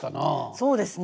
そうですね。